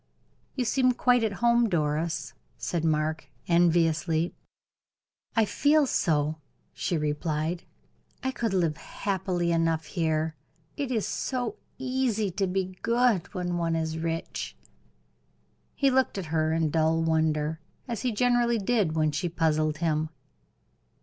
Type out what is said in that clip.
"You seem quite at home, Doris," said Mark, enviously. "I feel so," she replied. "I could live happily enough here; it is so easy to be good when one is rich." He looked at her in dull wonder, as he generally did when she puzzled him.